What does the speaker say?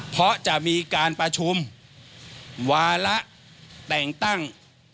เพราะจะมีการประชุมวาระแต่งตั้ง